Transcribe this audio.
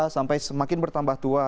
sampai semakin bertambah tua